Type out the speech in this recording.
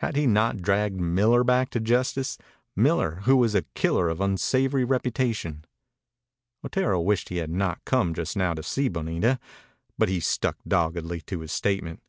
Had he not dragged Miller back to justice Miller who was a killer of unsavory reputation? Otero wished he had not come just now to see Bonita, but he stuck doggedly to his statement.